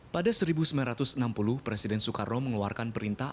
pada seribu sembilan ratus enam puluh presiden soekarno mengeluarkan perintah